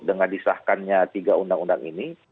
dengan disahkannya tiga undang undang ini